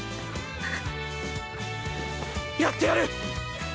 やってやる！